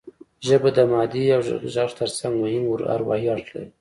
ژبه د مادي او غږیز اړخ ترڅنګ مهم اروايي اړخ لري